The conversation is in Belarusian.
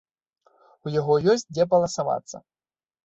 У яго ёсць дзе паласавацца.